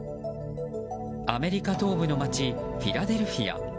アメリカ東部の街フィラデルフィア。